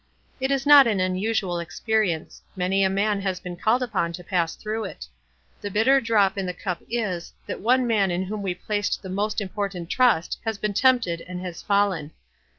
It is not an unusual experience — many a man has been called upon to pass through it. The bitter drop in the cup is, that one man in whom we placet 1 the most important trust has been tempted and has fallen.